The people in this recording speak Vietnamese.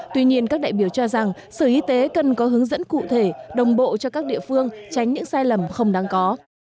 tuy nhiên các đại biểu cho rằng sở y tế cần có hướng dẫn cụ thể đồng bộ cho các địa phương tránh những sai lầm không đáng có